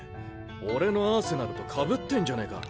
俺のアーセナルとかぶってんじゃねえか。